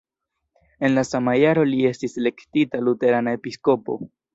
En la sama jaro li estis elektita luterana episkopo.